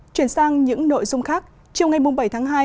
chuyển sang những nội dung khác chiều ngày bảy tháng hai